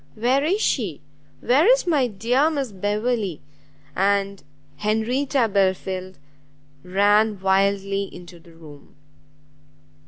where is she? where is my dear Miss Beverley?" and Henrietta Belfield ran wildly into the room.